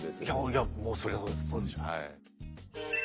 いやもうそりゃそうでしょう。